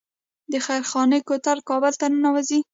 د خیرخانې کوتل کابل ته ننوځي